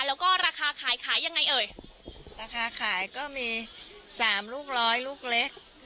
แล้วก็ราคาขายขายยังไงเอ่ยราคาขายก็มีสามลูกร้อยลูกเล็ก